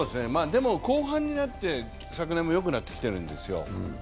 でも後半になって昨年もよくなってきているんですよ。